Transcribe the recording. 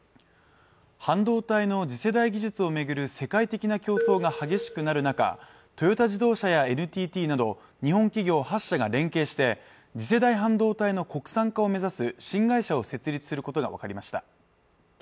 半導体の次世代技術を巡る世界的な競争が激しくなる中トヨタ自動車やＮＴＴなど日本企業８社が連携して次世代半導体の国産化を目指す新会社を設立することが分かりました